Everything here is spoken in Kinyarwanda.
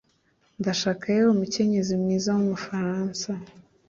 Ndashaka yewe mukenyezi mwiza wumufaransa